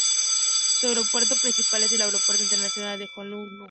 Su aeropuerto principal es el Aeropuerto Internacional de Honolulu.